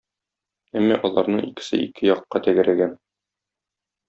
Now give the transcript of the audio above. Әмма аларның икесе ике якка тәгәрәгән.